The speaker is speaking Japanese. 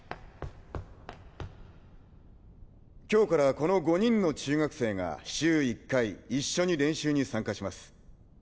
今日からこの５人の中学生が週１回一緒に練習に参加します。